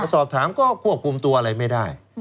สอบถามก็ควบคุมตัวอะไรไม่ได้